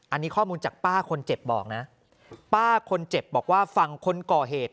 อันนี้ข้อมูลจากป้าคนเจ็บบอกนะป้าคนเจ็บบอกว่าฝั่งคนก่อเหตุ